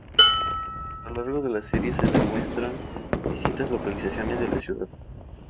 A lo largo de la serie se demuestran distintas localizaciones de la ciudad.